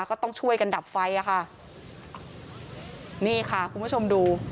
ก็ต้องช่วยกันดับไฟอ่ะค่ะนี่ค่ะคุณผู้ชมดู